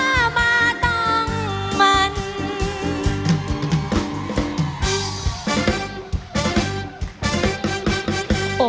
ก็จะมีความสุขมากกว่าทุกคนค่ะ